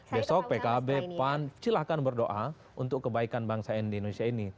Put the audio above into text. besok pkb pan silahkan berdoa untuk kebaikan bangsa di indonesia ini